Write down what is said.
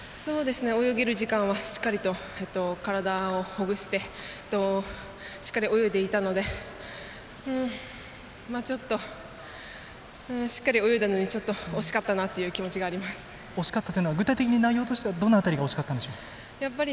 泳げる時間はしっかりと体をほぐしてしっかり泳いでいたのでまあ、ちょっとしっかり泳いだのにちょっと惜しかったなという惜しかったというのは具体的に内容としてはどの辺りが惜しかったんでしょうか。